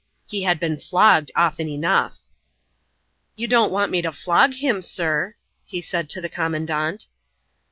He had been flogged often enough. "You don't want me to flog him, sir?" he said to the Commandant.